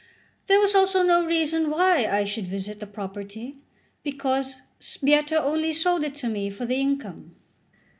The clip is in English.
There was also no reason why I should visit the property, because Sbietta only sold it to me for the income.